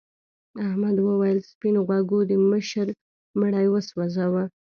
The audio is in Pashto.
احمد وویل سپین غوږو د مشر مړی وسوځاوه.